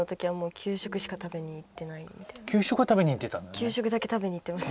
給食は食べに行ってたんだね。